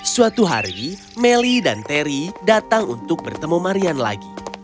suatu hari melly dan terry datang untuk bertemu marian lagi